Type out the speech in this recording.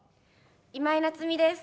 今井菜津美です。